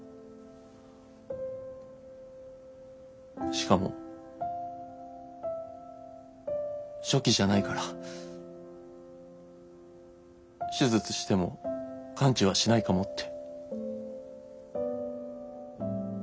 しかも初期じゃないから手術しても完治はしないかもって。